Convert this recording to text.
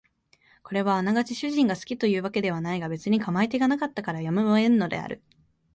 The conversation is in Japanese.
これはあながち主人が好きという訳ではないが別に構い手がなかったからやむを得んのである